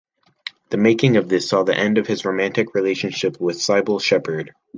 The making of this saw the end of his romantic relationship with Cybill Shepherd.